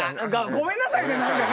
ごめんなさいね。